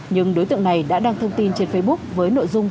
nhưng đối tượng này đã đăng thông tin trên facebook với nội dung